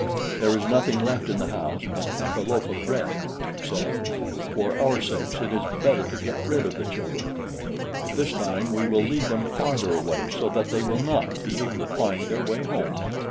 "There is nothing left in the house but half a loaf of bread," she said; "for our own sakes it is better to get rid of the children; but this time we will lead them farther away, so that they will not be able to find their way home."